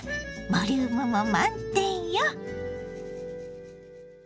ボリュームも満点よ。